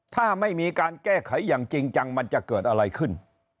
ถ้าไม่มีการแก้ไขอย่างจริงจังมันจะเกิดอะไรขึ้น